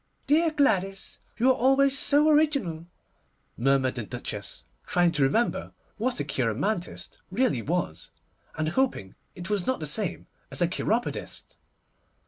'Dear Gladys! you are always so original,' murmured the Duchess, trying to remember what a cheiromantist really was, and hoping it was not the same as a cheiropodist.